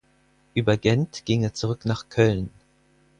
Über Gent ging er zurück nach Köln.